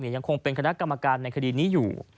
ยังคงเป็นคณะกรรมการในคดีนี้อยู่